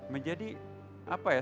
menjadi apa ya